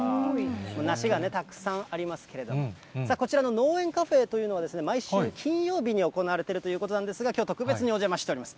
梨がたくさんありますけれども、さあ、こちらの農園カフェというのは、毎週金曜日に行われてるということなんですが、きょう特別にお邪魔しております。